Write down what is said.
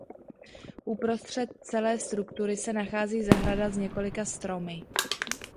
Uprostřed celé struktury se nachází zahrada s několika stromy.